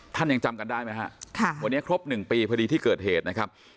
ท่านยังจำกันได้ไหมฮะค่ะวันนี้ครบ๑ปีพอดีที่เกิดเหตุนะครับ